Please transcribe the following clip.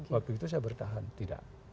waktu itu saya bertahan tidak